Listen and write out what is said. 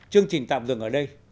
chương trình tạm dừng ở đây